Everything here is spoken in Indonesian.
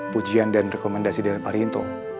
pujian dan rekomendasi dari pak rinto